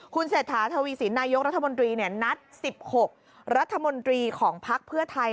คุณเศรษฐาทวีสินนายกรัฐมนตรีนัด๑๖รัฐมนตรีของพักเพื่อไทย